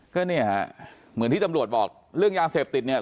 ก็เนี่ยฮะเหมือนที่ตำรวจบอกเรื่องยาเสพติดเนี่ย